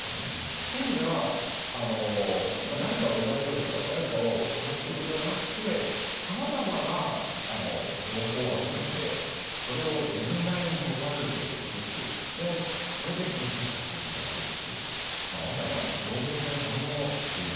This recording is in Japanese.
そういう意味では何かを奪い取るとか誰かを殺すということではなくてさまざまな情報を集めてそれを自分なりにパズルとして作っていってそれで一つ一つ着実にやっていくっていうまさに情報戦？